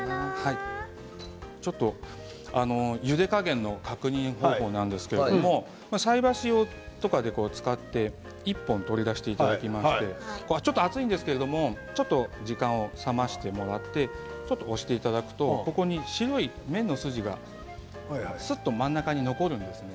ちょっと、ゆで加減の確認方法なんですけど菜箸とか使って１本、取り出していただきましてちょっと熱いんですけれどもちょっと時間、冷ましてもらって押していただくとここに白い麺の筋がすっと真ん中に残るんですよね。